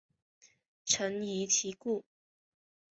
臣疑其故。